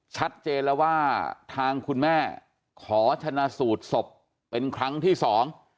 ชัดเจนแล้วว่าทางคุณแม่ขอชนะสูตรศพเป็นครั้งที่สอง